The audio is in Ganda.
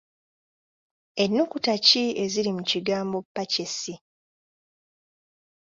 Ennukuta ki eziri mu kigambo Purchase?